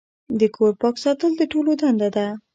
د کور پاک ساتل د ټولو دنده ده.